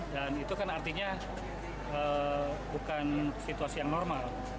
dan itu kan artinya bukan situasi yang normal